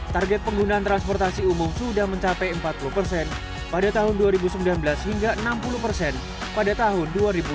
target penggunaan transportasi umum sudah mencapai empat puluh persen pada tahun dua ribu sembilan belas hingga enam puluh persen pada tahun dua ribu dua puluh